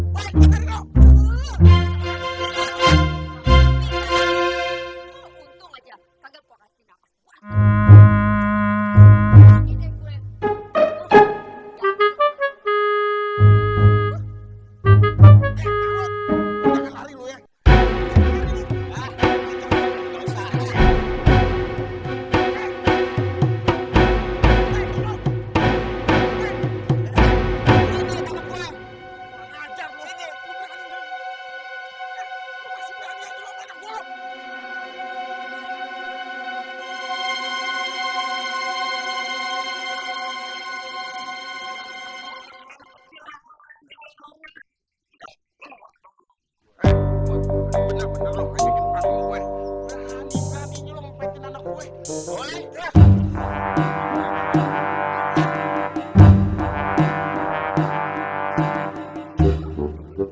kayak congwar babai bau jengkol amet amet